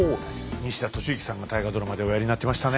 西田敏行さんが大河ドラマでおやりになってましたね。